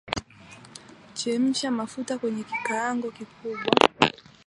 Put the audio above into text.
Chemsha mafuta kwenye kikaango kikubwa